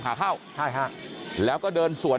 คุณภูริพัฒน์บุญนิน